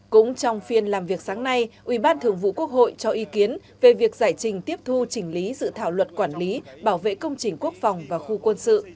cũng trong phiên làm việc sáng nay ủy ban thường vụ quốc hội cho ý kiến về việc giải trình tiếp thu chỉnh lý dự thảo luật quản lý bảo vệ công trình quốc phòng và khu quân sự